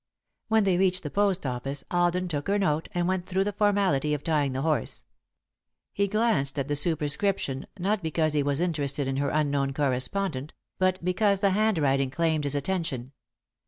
When they reached the post office, Alden took her note, and went through the formality of tying the horse. He glanced at the superscription, not because he was interested in her unknown correspondent, but because the handwriting claimed his attention.